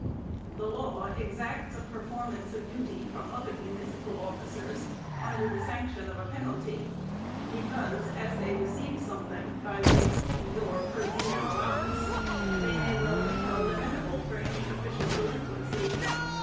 The law exacts a performance of duty from other municipal officers, under the sanction of a penalty ; be cause, as they receive something by way of fee or per diem allowance, they may well be held amenable for any official delinquency.